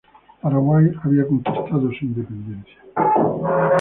Paraguay había conquistado su independencia.